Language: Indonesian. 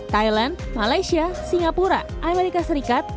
thailand malaysia singapura amerika serikat